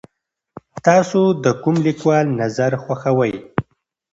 تاسو د کوم لیکوال نظر خوښوئ؟